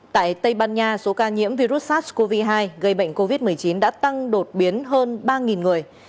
tại tây ban nha số ca nhiễm virus sars cov hai gây bệnh covid một mươi chín đã tăng đột biến hơn ba người